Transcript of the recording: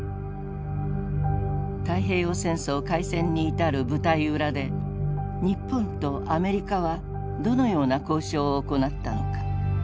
太平洋戦争開戦に至る舞台裏で日本とアメリカはどのような交渉を行ったのか。